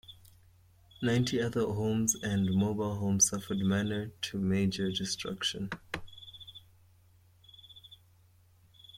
Ninety other homes and mobile homes suffered minor to major destruction.